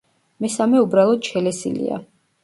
მესამე უბრალოდ შელესილია.